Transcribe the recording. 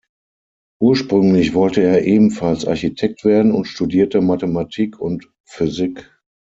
Ursprünglich wollte er ebenfalls Architekt werden und studierte Mathematik und Physik.